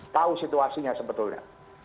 tahu situasinya sebetulnya